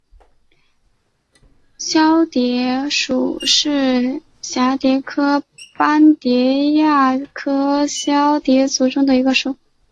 绡蝶属是蛱蝶科斑蝶亚科绡蝶族中的一个属。